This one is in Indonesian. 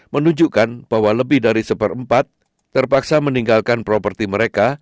menunjukkan bahwa lebih dari seperempat terpaksa meninggalkan properti mereka